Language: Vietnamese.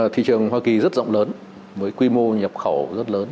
thị trường hoa kỳ rất rộng lớn với quy mô nhập khẩu rất lớn